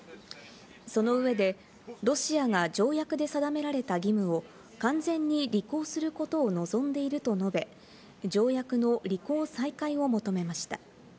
その上でロシアが条約で定められた義務を完全に履行することを望んでいると述べ、条約の履行再開を求めました。